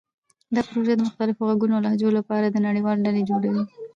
دا پروژه د مختلفو غږونو او لهجو لپاره د نړیوالې ډلې جوړوي.